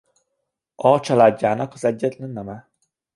Alcsaládjának az egyetlen neme.